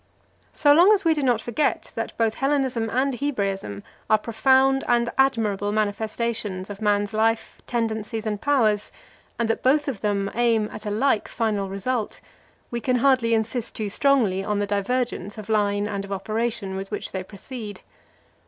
So long as we do not forget that both Hellenism and Hebraism are profound and admirable manifestations of man's life, tendencies, and powers, and that both of them aim at a like final result, we can hardly insist too strongly on the divergence of line and of operation with which they proceed.